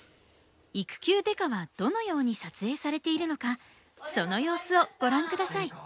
「育休刑事」はどのように撮影されているのかその様子をご覧下さい。